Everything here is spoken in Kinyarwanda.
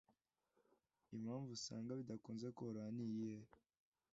impamvu usanga bidakunze koroha niyihe